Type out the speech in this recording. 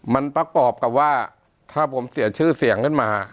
มันประกอบกับว่าถ้าผมเสียชื่อเสียงขึ้นมา